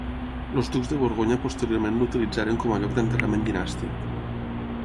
Els ducs de Borgonya posteriorment l'utilitzaren com a lloc d'enterrament dinàstic.